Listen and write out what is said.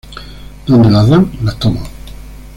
Donde las dan, las toman